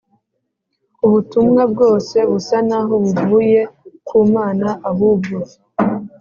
ubutumwa bwose busa naho buvuye ku mana ahubwo